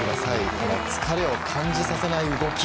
この疲れを感じさせない動き。